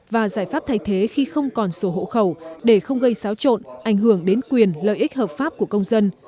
và giải pháp thay thế khi không còn sổ hộ khẩu để không gây xáo trộn ảnh hưởng đến quyền lợi ích hợp pháp của công dân